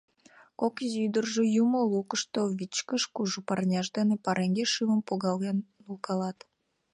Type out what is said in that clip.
Кок изи ӱдыржӧ юмо лукышто вичкыж кужу парняшт дене пареҥге шӱмым погкален нулкалат.